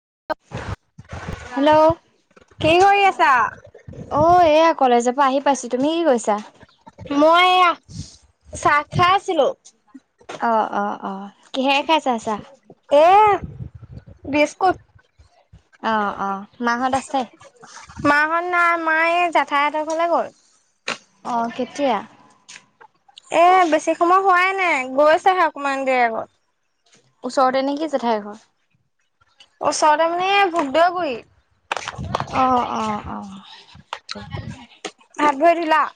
অ hello আছা? অ এয়া কলেজত আহি পাইছো তুম কি গৈছে মইয়া চাহ খা আছিলো অ অ অ কিহে খাইছা চাহ [inaudible] বিছকুত অহ অ মাহত আছে [inaudible] মায়ে জেঠাই ঘৰলৈ গল অহ কেতিয়া [inaudible] এ বেছি সময় হোৱাই নাই গৈ আছেহে অকমান দেৰি আগত ওচৰতে নেকি জেঠাই ঘৰ ওচৰতে মানে ভুদ অহ অ অ হাত ভৰি ধুলা [inaudible]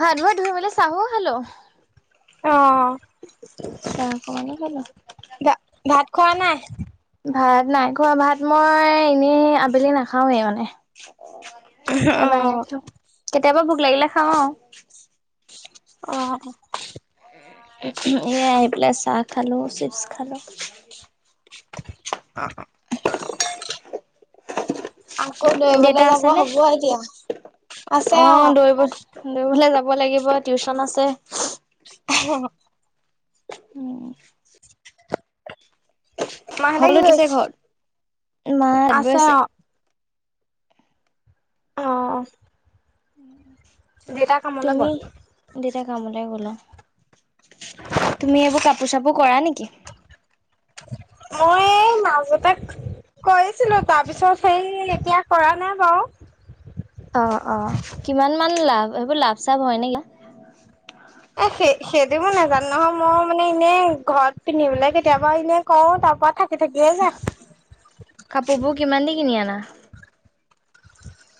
হাত ভৰি ধুই মেলি চাহো খালো অ চাহ কণ মান খালো [inaudible] খনাৱা নায় ভাত নাই খোৱা ভাত মই এনেই আবেলি নাখাওৱে মানে অ', এবাৰে কেতিয়াবা ভুক লাগিলে খাওঁ অহ [inaudible] এ আহি পেলাই চাহ খালো চিপছ খালো [inaudible] অহ [inaudible] আকৌ দেউতা দৈৰিবলৈ যাব আছেনে? হ'ব এতিয়া আছে অ দৌৰিবলৈ যাব টিউচন আছে [unintelligible] উম [inaudible] মাহেতে সকলো কি ঠিকে ঘৰত মা কৰিছে হাত বৈ আছে অ অ দেউতা কামলে তুমি গ'ল। দেউটা কামলৈ গ'ল তুমি এইবোৰ কাপোৰ চাপোৰ কৰা নেকি মই মাজতে কৰিছিলো তাৰ পিছত সেই এতিয়া কৰা নাই বাৰু অ অ কিমান মান লাভ সেইবোৰ লাভ চাভ হয় নে কিয়া এ সেই সেইটো মো নাজানো নহয় মই মানে এনেই ঘৰত পিন্ধিিবলে কেতিয়াবা এনে কও তাৰ পৰা থ কাপোৰবোৰ কিমান দি কিনি আনা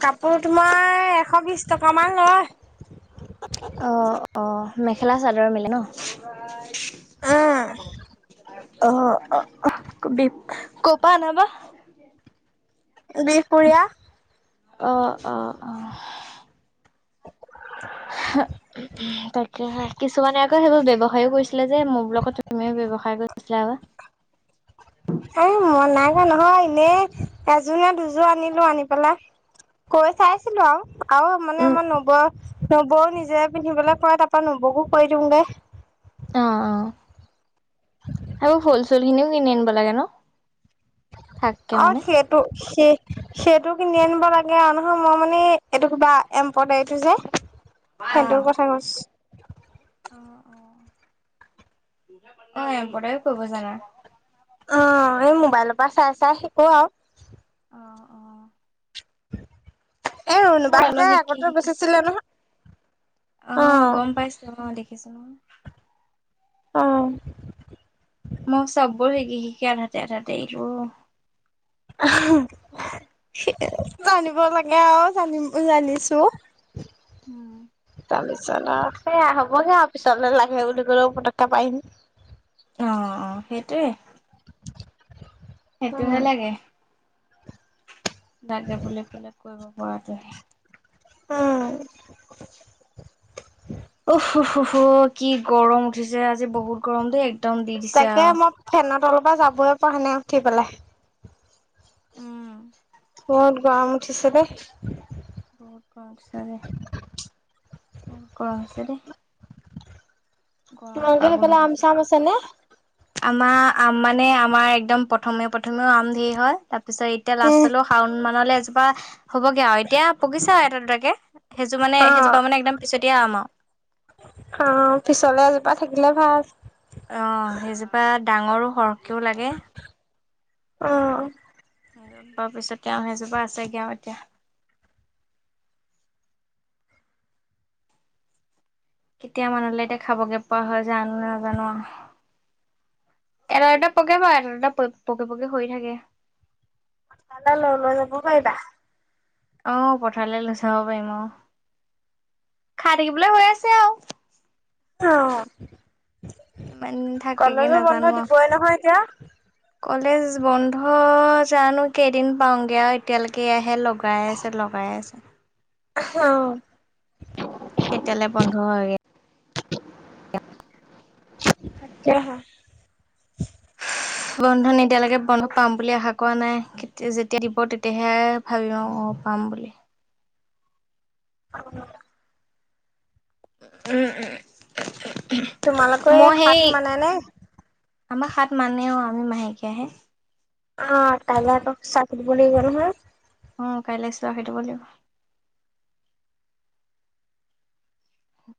কাপোৰতো মই এশ বিশ টকামান লয় অঁ অঁ মেখেলা চাদৰ মিলে ন উম আহ আহ বি ক'পা আনাবা বিহ পৰিয়া অ অ উ তাকে কিছুমানে আকৌ সেইবোৰ ব্য়ৱসায়ও কৰিছিলা যে মোৰ ব্লকত তুমিও ব্য্য়ৱসায় কৰিছিলা আ এ মন ক নহয় এনেই এযোৰ নে দুযোৰ আনিলো আনি পেলাই কৈ চাইছিলো আৰু আৰু মানে উম আমাৰ নবৌ নবৌও নিজে পিন্ধিবলৈ কৰে তাৰাপৰা নবৌকো কৈ দিওঁগে অ অ এইবোৰ ফুল চুল খিনিও কিনি আনিব লাগে ন থাককে অ মানে সেইটো স সেইটো এইটো কিনি আনিব লাগে আৰু নহয় মই মানে এইটো কিবা এম্পদাৰটো যে অ সিহতৰ কথা কৈছ অ অ অ এ বটায়ও কৰিব জানা অ এই মোবাইলৰ পৰা চাই চাই শিকো আৰু অ', অ'। এই মোৰ অলপ ৰুণবাহঁতে শিকি আগতে শিকি গুচিছিলে নহয় অ গম পাইছো অ দেখিছো ন আহ মই চব সকি সক আধাতে আ়া দেলো জানিব লাগে আৰু জানিম জানিছো উম তাৰপিছত সেয়া হ'বহে আৰু পিছলে লাগে বুলি ক'লেও পতকা পাইিম অ অ সেইটোৱে সেইটো উম নালাগে দাক গে বুলি পেলাই কৰিব পৰাটোহি আহ থ কি গৰম উঠিছে আজি বহুত গৰম দেই একদম দি দিছে আহ পাহ নাই উঠি পেলাই উম মত গ আমঠিছে দে বত কংছোৰে বত কংছেৰে মগলে পেলা আমচ গৈছো। আমচনেে আমাৰ আম মানে আমাৰ একদম প্ৰথমে প্ৰথমেও আম ধেৰ হয় তাত তাৰপিছত এতিয়া উম লাষ্টলৈও শাওন মানলৈ এজোপা হ'বগে আৰু এতিয়া পগিছো আৰু এটা দুটৰাকে সেইযোৰ মানে অ সেইজোপা মানে একদম পিছতে আম আৰু তা থাকিলে ভাল আহ সেইজোপা ডাঙৰো সৰকৈও লাগে অ আৰুবাৰ পিছতে সেইজোপা আছেগ আৰু এতিয়া কেতিয়া মানুহলে এতিয়া খাবগে পোৱা হয় জানো নাজানো এৰটা পকে বা এাৰটা পকে পকে হৈ থাকে মাল লল ন ফাইদা আহ পথাৰলৈ লৈ চাব পাৰিম অ খাই থাকিবলৈ হৈ আছে আৰু অ কিমান দিন থাকেগে কলেজো বন্ধ নাজানো আৰু দিবই নহয় এতিয়া কলেজ বন্ধ জানো কেইদিন পাওঁগৈ আৰু এতিয়ালৈকে আহে লগাই আছে লগাই পই আছে আহ কেতিয়ালৈ বন্ধ হয়গৈ আা হা বন্ধন এতিয়ালৈকে বন্ধ পাম বুলি আশা কৰা নাই যেতিয়া দিব তেতিয়াহে ভাবি আৰু পাম বুলি অ উম উম তোমালোকৰ এই সাত মানে নে আমাৰ সাত মানে অ আমি মাহেকীয়া আহে অ তাললে আৰু চাক বুলি গ'ল হয় উ কাইলৈ আছো আৰু সেইটো ব লিব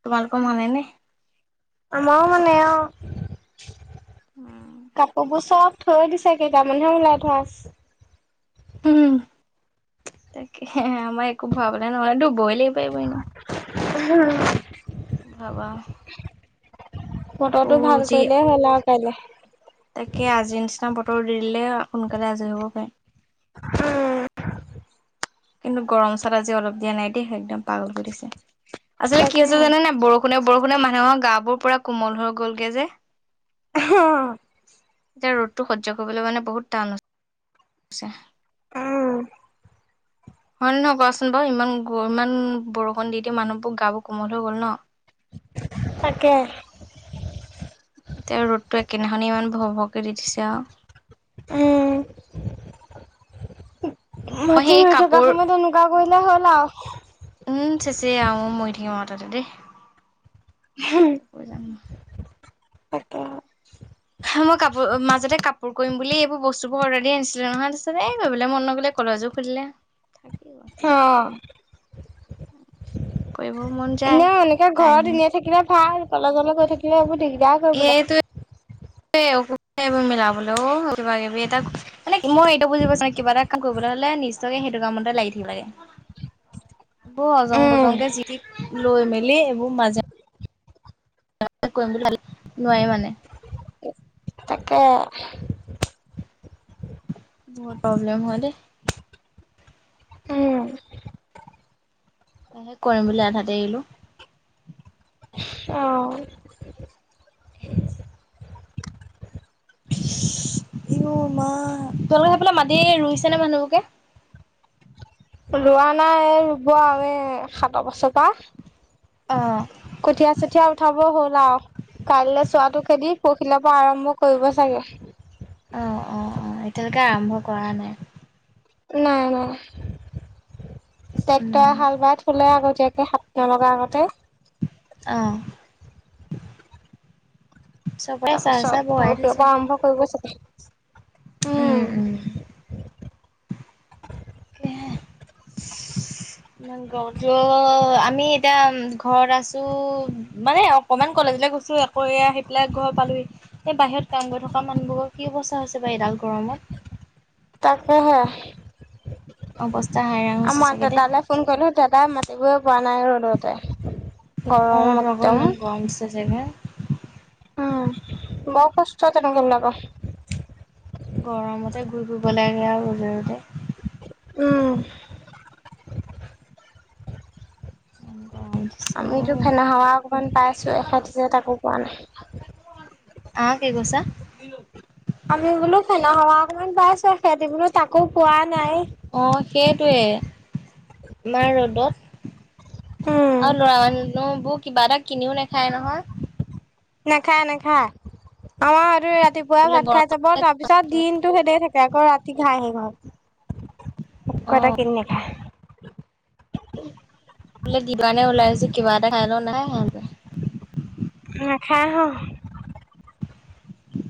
তোমালোক মান ন স্নেহ কাপোৰবোৰ চব। থৈ দিছা কেই তাৰ মানেহে ওলাই থোৱাচ। উম, তাকে আমাৰ একো ভাব নে নহলে ডব বই লাগিব ইনো হম [inaudible] বতৰটো ভাল কৰিলেই হলা যি আৰু কাইলে। তাকে আজিৰ নিচিনা বতৰ দি দিলে সোনকালে আজৰি হ'ব পাৰিম। উম, কিন্তু গৰম চাল আজি অলপ দিয়া নাই দেই একদম পাগল কৰি দিছে। আচলতে কি হৈছে তাকেহে। জানে নে বৰষুণে বৰষুণে মানুহৰ গা বোৰ পৰা কোমল হৈ গ'লগে যে। হ [unintelligible] এতিয়া ৰ'দটো সহ্য কৰিবলৈ মানে বহুত টান হৈছে আহ, হয় নে নহয় কোৱাচোন বাৰু ইমান-ইমান বৰষুণ দি দি মানুহবোৰ গা বোৰ কোমল হৈ গ'ল ন। তাকে এয়া ৰ'দটো একেইদিখনি ইমান ভৰ ভৰকে দি দিছে আৰু। উম, মই মাটিৰ সেই ৰুই থকা কাপোৰ সময়ত এনেকুৱা। কৰিলে হ'ল আৰু। উম, চেচ আহ মৰি থাকিম আৰু তাতে দেই। তাতে পৰি যাম মই। তাকে, মই কাপোৰ মাজতে কাপোৰ কৰিম বুলি এইবোৰ বস্তু বোৰ অৰ্ডাৰ দি আনিছিলো নহয় তাৰিছত এ কৰিবলে মন নগলে। কলেজো খুলিলে। গ'ল। অ', কৰিব মন যায় এনেকে ঘৰত টাইমে ধুনীয়া থাকিলে ভাল। কলেজলে গৈ থাকিবে এইবোৰ দিগদাৰ কৰিবলে। সেইটোৱে এইবোৰ মিলাবলৈ অ' কিবা কিবি এ মানে মই সটো বুজিব পচ কিবা এটা কাম কৰিব। হ'লে নিশ্চকে সেইটো কামতে লাগি থাকিব লাগে। উ [inaudible] এইবোৰ অজং-বজংকে জিক লৈ মেলি এইবোৰ মাজ, কৰিম বুলি ভ নোৱাই মানে। তাকে বৰ প্ৰব্লেম হয় দে। উম সে কৰিম বুলি আধাতে এৰিলো। অ [inaudible] উ মা তোমালোকে সেইফে মাতি ৰুইছে নে মানুহবোকে। ৰোৱা নাই ৰুব আৰু এ সাত বছৰ পৰা। অ', কঠীয়া-চঠীয়া উঠাব হ'ল আৰু। কাইলৈ চোৱাটো খেদি পৰখিলাৰ পৰা আৰম্ভ কৰিব চাগে। অ-অ-অ এতিয়ালৈকে আৰম্ভ কৰা নাই। নাই-নাই টেক্টৰে উম হাল বাই থলে আকৌ স সাতট লগা আগতে। অহ, চবৰে তাৰ চাহ চাহ পিছত বগাই পৰখিৰ পৰা আৰম্ভ কৰিব চাগে। উম-উম, অঅ [inaudible] ইমান গত আমি এতিয়া ঘৰত আছো মানে অকমান কলেজ। এই কৈছো এ আকৌ আহি পেলাই ঘৰ পালো এই বাহিৰত কাম গৈ থকা মানুহবোৰৰ কি অৱস্থা হৈছে বাৰ এইডাল গৰমত। তাকে হে। অৱস্থা হাইৰাণ হৈছে আমাৰ চাগে দেই দাদালে ফোন কলো দাদা ম পোৱা নাই ৰ'দোতে অ গৰম তো আকৌ একদম ইমান গৰম দিছে চাগে উম বহ কষ্ট তে নকমিলাক গৰমতে ঘূৰি ফুৰিব লাগে আৰু জোৰতে উম ইমান গৰম দিছে আমিতো অ ফেনা হাৱা অকমান পাই আছো এখ যে তাকো পোৱা নাই অ কেেই কুৱছা আমি বোলো ফেনা হাৱা অকমান পাইছো সিহঁতি বোলো তাকো পোৱা নাই য়ে মাৰ ৰ'দত উম, আৰু লৰা মানুোবোৰ কিবা এটা কিনিও নেখায় নহয় না খা না খা আমাৰ আৰু ৰাতিপুৱাই বোলে ভাত গৰম খাই যাব তাৰ পিছত দিনতটো সেইদ থাকে আকৌ ৰাতি ঘাঁহি ঘৰত অ কইতটা কেিন নখা বোলে দিবে ওলাইছে কিবা এটা খাই ল নাই সহঁতে মখ আহ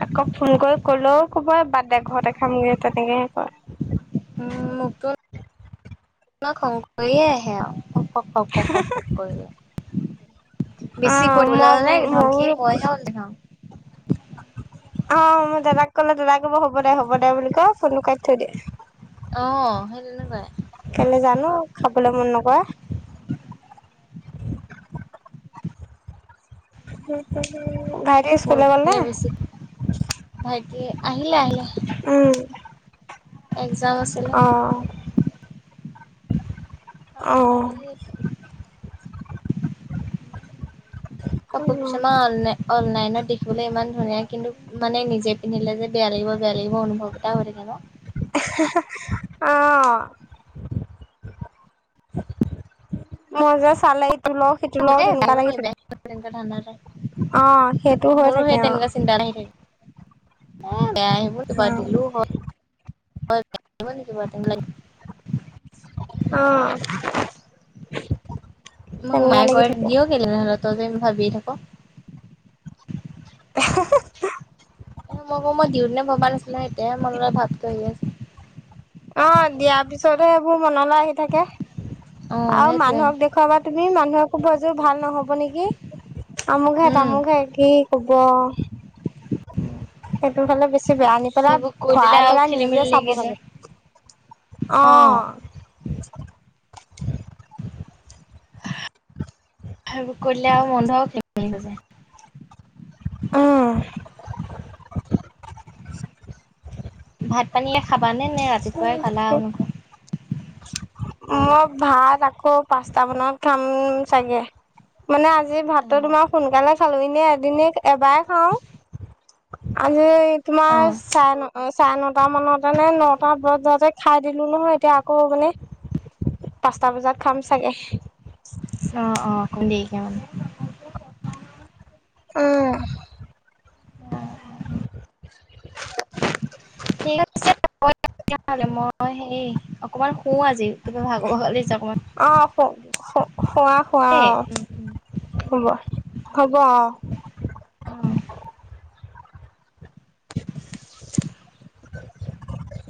আকৌ ফোন কৰি ক'লেও ক'ব বাদ দে ঘৰত এ খামগৈ তেনেকেহে কয় উ মোকত শংকৰয়ে আহে আৰু প পক পক পকৈ অ ম ম মইহে উল দেখাও। অ মই দাদাক ক'লে দাদা কব হ'ব দে হ'ব দে বুলি ক ফোনটো ক থঠাকিয় আহ সেই তেনেকুৱয় কেলে জানো খাবলৈ মন নকৰা অঅ ভাইট কৰি স্কুল গলে তে আহিল আহলে উম এক্জাম আছিলে আহ অ', পালি এতিয়া কাপোৰ পিছেে ম অলাই অলাই নি বোলে ইমান ধুনীয়া কিন্তু মানে নিজে পিন্ধিলে যে বেয়া লাগিব বেয়া লাগিব অনুভৱ এটা হৈ থাকে ন আহ মজা চলাইত সত লও সিটো লও তেনেুৱা আহিব লাগি নি থাকে বেয়া তেনেকুৱা ধান্দা এটা অ সেইটো হৈ থাকে অ হয় বেয়া আহিব কিবা অ', দিলো হয়ে কিবা তে অ', মোক তেনেকুৱা মায়ে লাগি কয় থাকে। দিিয়ও কেলে নহ'লে তই যে ভাবিয়ে থাক এ মই ব মই দিহ দিনে ভবা নাছিলো এতিয়া ম লগ ভাৱটো আহি আছে অ দিয়া পিছতবোৰ মনলৈ আহি থাকে অ' আৰু সেইটোৱে মানুহক দেখুৱাবা তুমি মানুহকো বজোৰ ভাল নহব হব নেকি আমুঘে উম। তামু ঘে কি কব সেইটো ফালে বেছি বেয়া নি পেলাই সেইবোৰ কৈ দিলে ভৰাই আৰু পেলাই খেলি নিজে মেলি চাব লাগি যায়। লাগে অ' আহ সবোৰ কৰিলে আৰু মন্ধ হ কিন্ত ছে উম। ভাত পানীে খাবাানে নে ৰাতিপুৱাই খালা মই নখ মই ভাত আকৌ পাঁচট মানত খাম চাগে মানে আজি ভাতটো অ' তোমাৰ সোনকালে খালো এনে এদনে এবাৰে খাওঁ আজি তোমাৰ অ' চাৰে ন চাৰে নটা মানত মানে নটা বজাতে খাই দিলো নহয় এতিয়া আকৌ মানে পাঁচটা বজাত খাম চাগে অ অ কন্দকে মান উম উ [unintelligible] ঠিক আছে তেতিলে মই হেই অকমান ক আজি কিবা ভাগৰ লিছে অকণমান খোৱা খুৱ অ হব উম হ'ব আহ অ'। [unintelligible] [unintelligible]